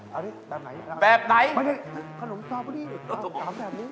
เอาสิแบบไหนแบบไหนไม่ได้ขนมสตรอเบอร์รี่๓แบบนี้